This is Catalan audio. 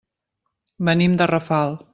Venim de Rafal.